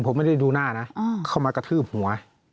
ผมไม่ได้ดูหน้านะเข้ามากระทืบหัว